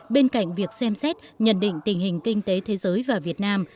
bên cạnh việc xem xét nhận định tình hình kinh tế thế giới và việt nam